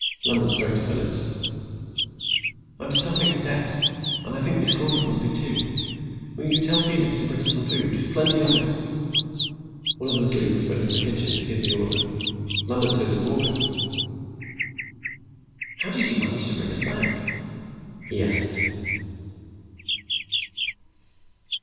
Lambert spoke to Phillips. "I'm starving to death and I think Miss Crawford must be, too. Will you tell Felix to bring us some food, plenty of it?" One of the sleuths went to the kitchen to give the order. Lambert turned to Morgan. "How did you manage to bring us back?" he asked.